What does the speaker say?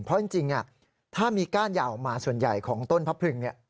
เพราะจริงถ้ามีก้านยาวออกมาส่วนใหญ่ของต้นพระพรึง